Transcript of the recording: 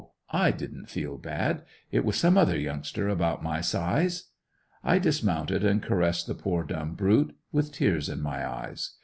I didn't feel bad; it was some other youngster about my size. I dismounted and caressed the poor dumb brute, with tears in my eyes.